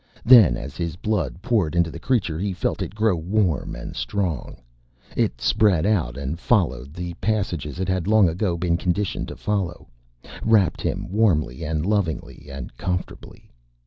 Then, as his blood poured into the creature he felt it grow warm and strong. It spread out and followed the passages it had long ago been conditioned to follow, wrapped him warmly and lovingly and comfortably.